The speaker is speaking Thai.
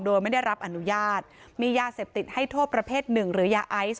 โดยไม่ได้รับอนุญาตมียาเสพติดให้โทษประเภทหนึ่งหรือยาไอซ์